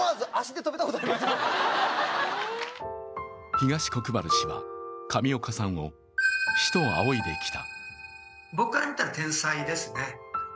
東国原氏は上岡さんを師と仰いできた。